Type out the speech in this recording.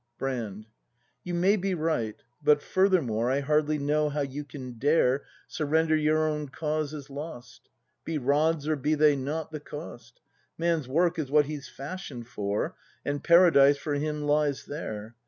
Brand. You may be right. But, furthermore, I hardly know how you can dare Surrender your own cause as lost. Be rods, or be they not, the cost, Man's work is what he's fashion'd for. And Paradise, for him, lies there.